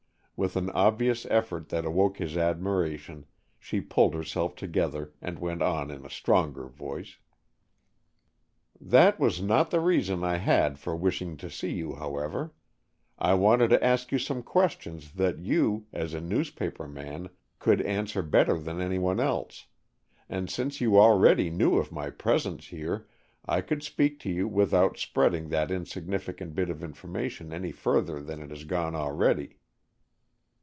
With an obvious effort that awoke his admiration, she pulled herself together and went on in a stronger voice. "That was not the reason I had for wishing to see you, however. I wanted to ask you some questions that you, as a newspaper man, could answer better than anyone else; and since you already knew of my presence here, I could speak to you without spreading that insignificant bit of information any further than it has gone already."